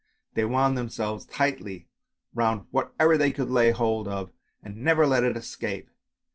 They wound themselves tightly round whatever they could lay hold of and never let it escape.